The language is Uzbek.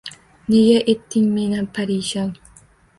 Nega etding meni parishon?